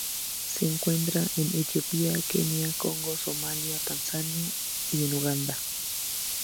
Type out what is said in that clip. Se encuentra en Etiopía, Kenia, Congo, Somalia, Tanzania y en Uganda.